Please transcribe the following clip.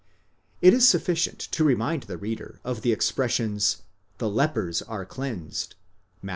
It is sufficient to remind the reader of the expressions λεπροὶ καθαρίζονται, the lepers are cleansed (Matt.